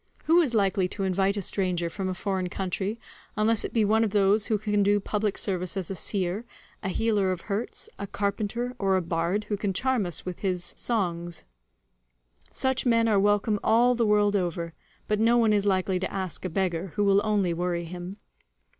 Who is likely to invite a stranger from a foreign country, unless it be one of those who can do public service as a seer, a healer of hurts, a carpenter, or a bard who can charm us with his singing? Such men are welcome all the world over, but no one is likely to ask a beggar who will only worry him.